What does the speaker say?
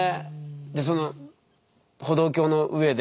でその歩道橋の上で？